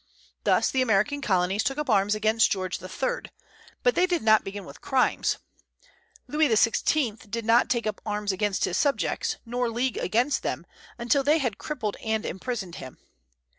Thus the American colonies took up arms against George III.; but they did not begin with crimes. Louis XVI. did not take up arms against his subjects, nor league against them, until they had crippled and imprisoned him.